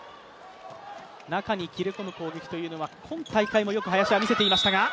中に切れ込む攻撃というのは今大会もよく林は見せていましたが。